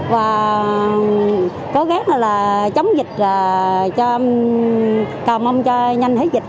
và cố gắng chống dịch cầu mong cho nhanh hết dịch